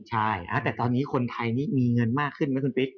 ใช่แต่ตอนนี้คนไทยนี่มีเงินมากขึ้นไหมคุณปิ๊ก